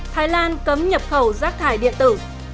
thái lan cấm nhập khẩu rác thải điện tử